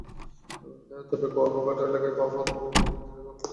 তবে গোঘাট এলাকায় ভাঙন প্রতিরোধে নদীর তীরে বালুভর্তি ব্যাগ ফেলার কাজ চলছে।